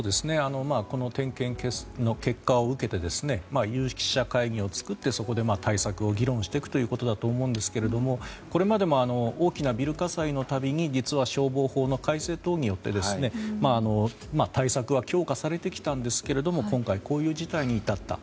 この点検の結果を受けて有識者会議を作ってそこで対策を議論していくということだと思うんですがこれまでも大きなビル火災の度に消防法の改正等によって対策は強化されてきたんですが今回、こういう事態に至った。